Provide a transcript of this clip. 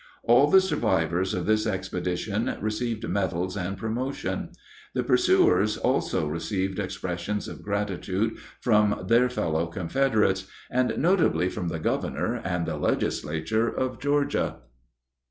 All the survivors of this expedition received medals and promotion. The pursuers also received expressions of gratitude from their fellow Confederates, notably from the governor and the legislature of Georgia.